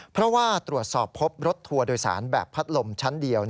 เพราะว่าตรวจสอบพบรถทัวร์โดยสารแบบพัดลมชั้นเดียว